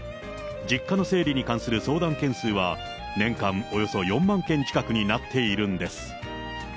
実家の整理に関する相談件数は、年間およそ４万件近くになっているんです。